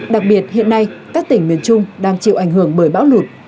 đặc biệt hiện nay các tỉnh miền trung đang chịu ảnh hưởng bởi bão lụt